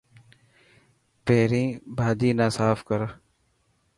پهرين ڀاڄي نه ساف ڪر.